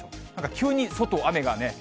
急に外、雨がね。